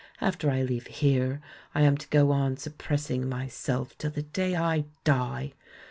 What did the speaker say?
After I leave here I am to go on suppressing myself till the day I die!